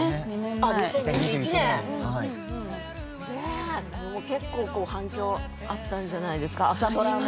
２０２１年結構反響あったんじゃないですか朝ドラも。